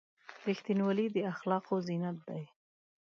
• رښتینولي د اخلاقو زینت دی.